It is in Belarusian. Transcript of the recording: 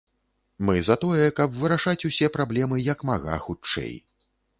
Мы за тое, каб вырашаць усе праблемы як мага хутчэй.